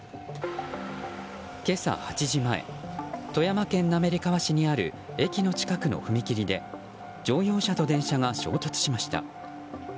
今朝８時前富山県滑川市にある駅の近くの踏切で乗用車と電車が衝突しました。